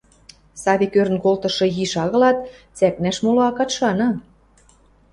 Савик ӧрӹн колтышы йиш агылат, цӓкнӓш моло акат шаны.